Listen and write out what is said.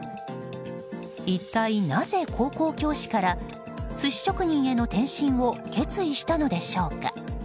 一体なぜ、高校教師から寿司職人への転身を決意したのでしょうか。